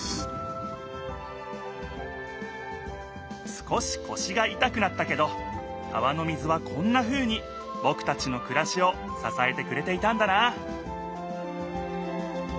少しこしがいたくなったけど川の水はこんなふうにぼくたちのくらしをささえてくれていたんだな